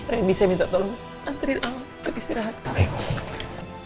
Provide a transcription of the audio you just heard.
reni saya minta tolong anterin al untuk istirahatkanmu